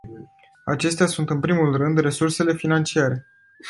Acestea sunt, în primul rând, resursele financiare.